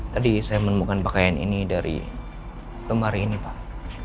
tadi saya menemukan pakaian ini dari lemari ini pak